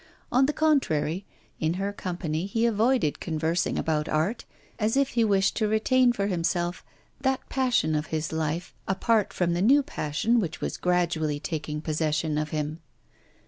On the contrary, in her company he avoided conversing about art, as if he wished to retain for himself that passion of his life, apart from the new passion which was gradually taking possession of him.